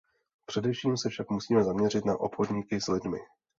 Především se však musíme zaměřit na obchodníky s lidmi.